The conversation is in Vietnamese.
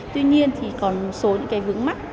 tuy nhiên thì còn một số những cái vướng mắt